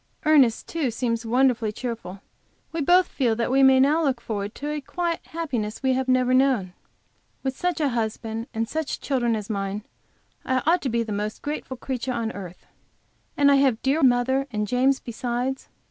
Ernest, too, seems wonderfully cheerful, and we both feel that we may now look forward to a quiet happiness we have never known. With such a husband and such children as mine, I ought to be the most grateful creature on earth. And I have dear mother and James besides.